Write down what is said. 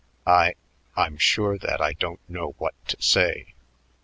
I I'm sure that I don't know what to say.